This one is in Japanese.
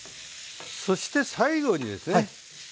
そして最後にですね。